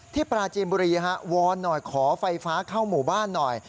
ปราจีนบุรีฮะวอนหน่อยขอไฟฟ้าเข้าหมู่บ้านหน่อย